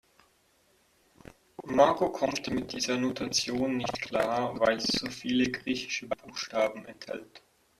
Marco kommt mit dieser Notation nicht klar, weil sie so viele griechische Buchstaben enthält.